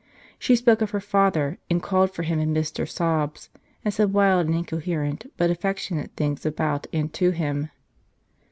She spoke of her father, and called for him amidst her sobs, and said wild and incoherent, but affectionate things about, and to, him.